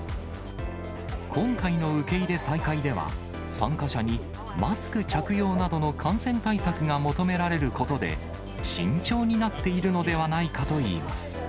今回の受け入れ再開では、参加者にマスク着用などの感染対策が求められることで、慎重になっているのではないかといいます。